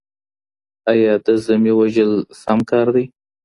آیا د ذمي وژل سم کار دی؟